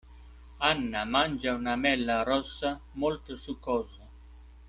Anna mangia una mela rossa molto succosa.